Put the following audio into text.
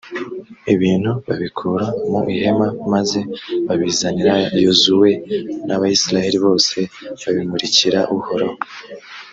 ibintu babikura mu ihema maze babizanira yozuwe n’abayisraheli bose; babimurikira uhoraho.